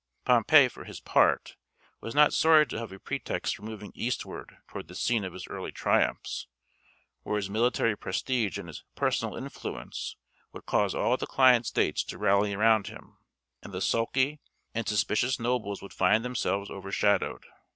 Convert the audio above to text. Pompey, for his part, was not sorry to have a pretext for moving eastward toward the scene of his early triumphs, where his military prestige and his personal influence would cause all the client states to rally round him, and the sulky and suspicious nobles would find themselves overshadowed.